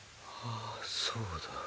あそうだ。